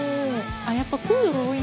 あっやっぱプードル多いね。